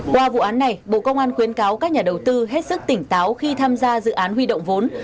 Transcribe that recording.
qua vụ án này bộ công an khuyến cáo các nhà đầu tư hết sức tỉnh táo khi tham gia dự án huy động vốn